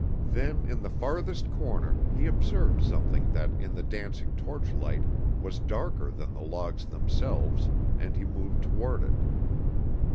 Then, in the farthest corner, he observed something that in the dancing torch light was darker than the logs themselves, and he moved toward it.